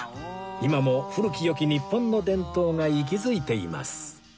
今も古き良き日本の伝統が息づいています